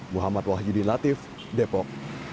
muhammad wahyudin latif depok